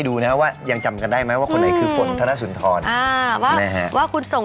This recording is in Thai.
ดูนะว่ายังจำกันได้ไหมว่าคนไหนคือฝนธนสุนทรอ่าว่าคุณส่ง